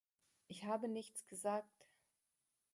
Ich habe nichts gesagt.